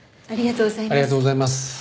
ありがとうございます。